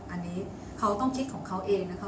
อันนี้เขาต้องคิดของเขาเองนะคะ